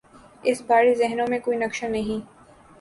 اس بارے ذہنوں میں کوئی نقشہ نہیں۔